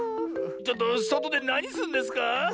ちょっとそとでなにすんですか？